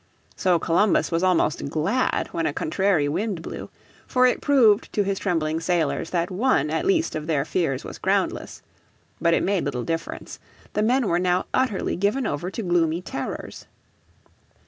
So Columbus was almost glad when a contrary wind blew. For it proved to his trembling sailors that one at least of their fears was groundless. But it made little difference. The men were now utterly given over to gloomy terrors.